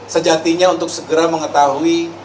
sejatinya untuk segera mengetahui